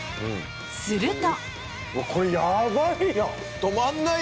すると。